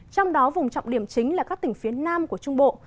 trong đó vùng trọng điểm chính là các tỉnh phía nam của trung bộ